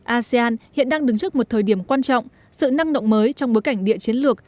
asean hiện đang đứng trước một thời điểm quan trọng sự năng động mới trong bối cảnh địa chiến lược